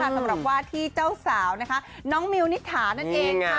สำหรับว่าที่เจ้าสาวนะคะน้องมิวนิษฐานั่นเองค่ะ